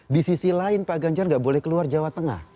di sisi lain pak ganjar nggak boleh keluar jawa tengah